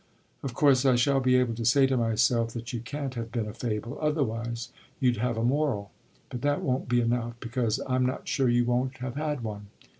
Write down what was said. Of course I shall be able to say to myself that you can't have been a fable otherwise you'd have a moral; but that won't be enough, because I'm not sure you won't have had one.